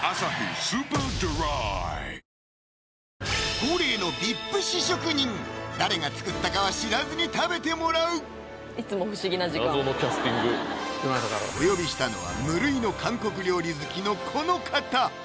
恒例のＶＩＰ試食人誰が作ったかは知らずに食べてもらうお呼びしたのは無類の韓国料理好きのこの方！